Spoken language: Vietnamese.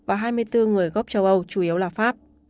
và hai mươi bốn người gốc châu âu chủ yếu là pháp